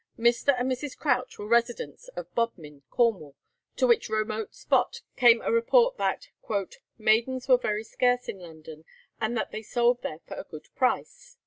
Mr. and Mrs. Crouch were residents of Bodmin, Cornwall, to which remote spot came a report that "maidens were very scarce in London, and that they sold there for a good price."